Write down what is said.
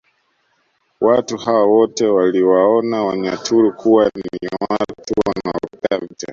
Watu hao wote waliwaona Wanyaturu kuwa ni watu wanaopenda vita